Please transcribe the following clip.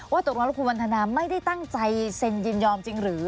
ตกลงแล้วคุณวันทนาไม่ได้ตั้งใจเซ็นยินยอมจริงหรือ